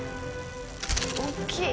大きい！